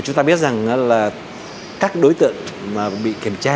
chúng ta biết rằng là các đối tượng mà bị kiểm tra